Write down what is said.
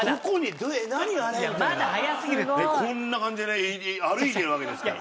こんな感じでね歩いてるわけですから。